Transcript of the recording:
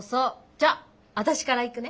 じゃあ私からいくね。